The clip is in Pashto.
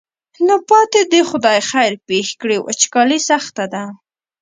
نو پاتې دې خدای خیر پېښ کړي وچکالي سخته ده.